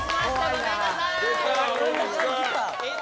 ごめんなさい！